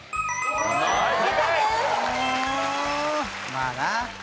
まあな。